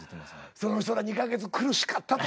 その人ら２か月苦しかったと思うで。